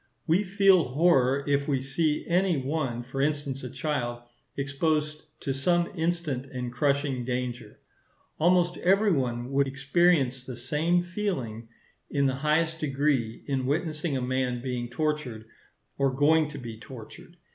We feel horror if we see any one, for instance a child, exposed to some instant and crushing danger. Almost every one would experience the same feeling in the highest degree in witnessing a man being tortured or going to be tortured.